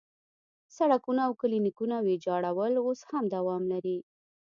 سړکونه او کلینیکونه ویجاړول اوس هم دوام لري.